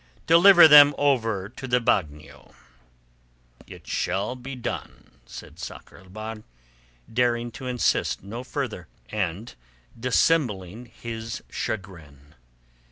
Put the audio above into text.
Deliver them over to the bagnio." "It shall be done," said Sakr el Bahr, daring to insist no further and dissembling his chagrin.